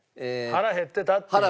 腹減ってたっていう。